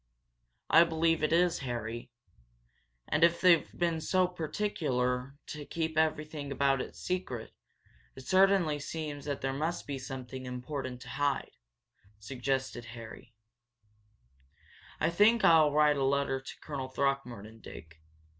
"I believe it is, Harry. And if they've been so particular to keep everything about it secret, it certainly seems that there must be something important to hide," suggested Harry, thinking deeply. "I think I'll write a letter to Colonel Throckmorton, Dick.